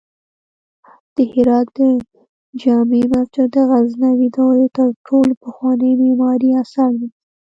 د هرات د جمعې مسجد د غزنوي دورې تر ټولو پخوانی معماری اثر دی